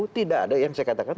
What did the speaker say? tidak ada yang saya katakan